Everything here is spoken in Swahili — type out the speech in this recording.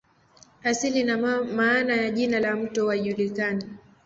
Asili na maana ya jina la mto haijulikani.